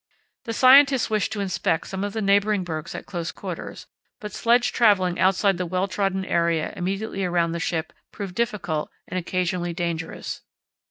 The scientists wished to inspect some of the neighbouring bergs at close quarters, but sledge travelling outside the well trodden area immediately around the ship proved difficult and occasionally dangerous.